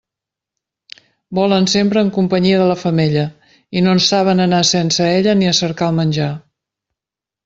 Volen sempre en companyia de la femella, i no saben anar sense ella ni a cercar el menjar.